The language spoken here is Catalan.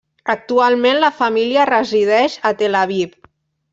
Actualment la família resideix a Tel Aviv.